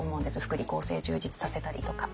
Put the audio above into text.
福利厚生充実させたりとか。